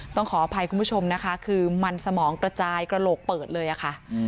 ต้องขออภัยคุณผู้ชมนะคะคือมันสมองกระจายกระโหลกเปิดเลยค่ะ